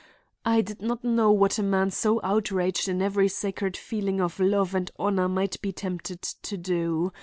I did not know what a man so outraged in every sacred feeling of love and honor might be tempted to do.